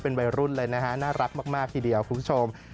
เป็นวัยรุ่นเลยนะฮะน่ารักมากทีเดียวคุณผู้ชม